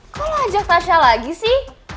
kok lo ajak tasya lagi sih